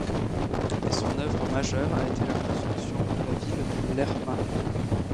Mais son œuvre majeure a été la construction de la ville de Lerma.